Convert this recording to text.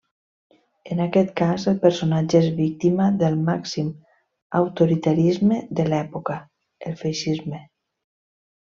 En aquest cas el personatge és víctima del màxim autoritarisme de l'època: el feixisme.